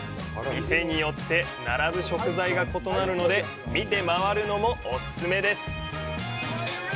店によって並ぶ食材が異なるので、見て回るのもオススメです。